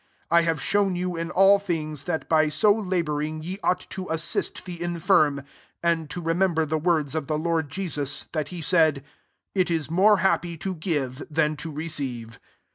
35 I have shown you in all things, that by so labouring ye ought to assisi the infirm, and to rememl the words of the Lord X that he said, ^ It is more hap] to give than to receive.'